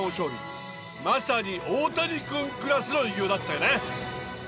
まさに大谷君クラスの偉業だったよね。